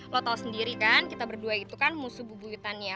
lo tau sendiri kan kita berdua itu kan musuh bubu butannya